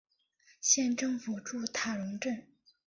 县政府驻塔荣镇。